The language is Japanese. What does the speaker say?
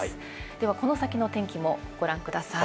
ではこの先の天気もご覧ください。